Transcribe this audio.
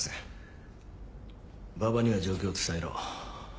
馬場には状況を伝えろ。